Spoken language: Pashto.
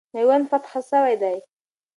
میوند فتح سوی دی.